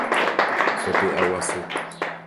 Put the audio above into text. Chepy'aguasu.